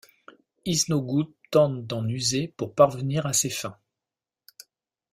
Iznogoud tente d'en user pour parvenir à ses fins.